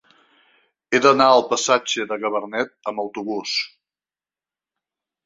He d'anar al passatge de Gabarnet amb autobús.